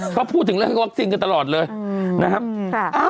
เขาพูดถึงเรื่องวัคซีนกันตลอดเลยนะครับ